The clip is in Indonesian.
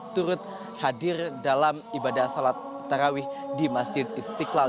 turut hadir dalam ibadah sholat tarawih di masjid istiqlal